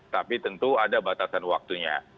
tapi tentu ada batasan waktunya